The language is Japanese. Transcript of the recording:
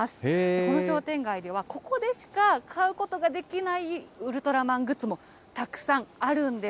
この商店街では、ここでしか買うことができないウルトラマングッズもたくさんあるんです。